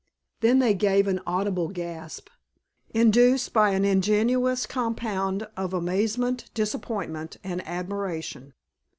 Then they gave an audible gasp, induced by an ingenuous compound of amazement, disappointment, and admiration.